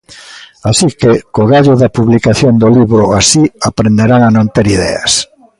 Así que, co gallo da publicación do libro Así aprenderán a non ter ideas.